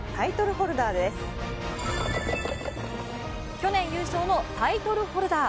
去年優勝のタイトルホルダー。